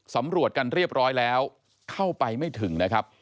สำรวจกันเรียบร้อยแล้วเข้าไปไม่ถึงนะครับ